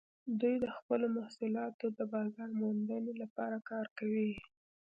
دوی د خپلو محصولاتو د بازارموندنې لپاره کار کوي